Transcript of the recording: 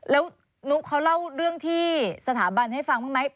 แล้วนุ๊กเขาเล่าเรื่องที่สถาบันให้ฟังบ้างไหม